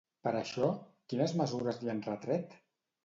Per això, quines mesures li han retret?